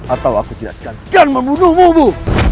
atau aku jelaskan kan membunuhmu ibu